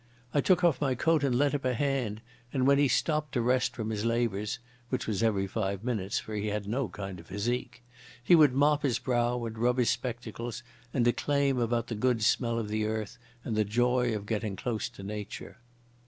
I took off my coat and lent him a hand, and when he stopped to rest from his labours—which was every five minutes, for he had no kind of physique—he would mop his brow and rub his spectacles and declaim about the good smell of the earth and the joy of getting close to Nature.